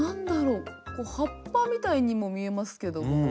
こう葉っぱみたいにも見えますけども。